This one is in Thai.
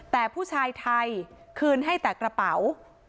แต่ผู้ชายไทยคืนให้แต่กระเป๋า